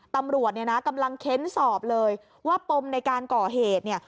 ตำรวจเนี่ยนะกำลังเค้นสอบเลยว่าปมในการก่อเหตุเนี่ย